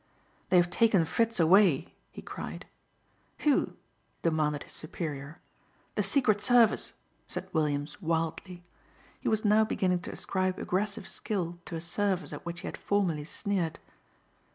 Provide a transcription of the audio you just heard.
"They have taken Fritz away," he cried. "Who?" demanded his superior. "The Secret Service," said Williams wildly. He was now beginning to ascribe aggressive skill to a service at which he had formerly sneered.